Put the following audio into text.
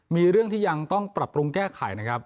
มีเรื่องที่ยังต้องปรับปรุงแก้ไขนะครับ